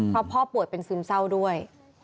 เพราะพ่อป่วยเป็นซึมเศร้าด้วย